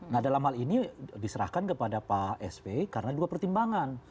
nah dalam hal ini diserahkan kepada pak sp karena dua pertimbangan